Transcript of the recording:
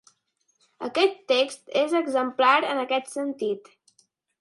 Aquest text és exemplar en aquest sentit.